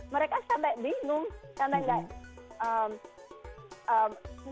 mereka sampai bingung sampai gak